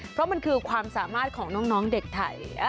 เพราะมันคือความสามารถของน้องเด็กไทย